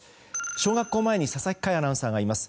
小学校前に佐々木快アナウンサーがいます。